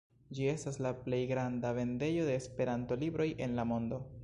Ĝi estas la plej granda vendejo de Esperanto-libroj en la mondo.